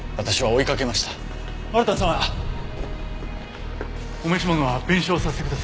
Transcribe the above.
お召し物は弁償させてください。